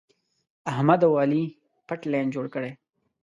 احمد او علي پټ لین جوړ کړی.